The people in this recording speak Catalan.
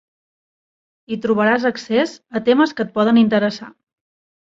Hi trobaràs accés a temes que et poden interessar.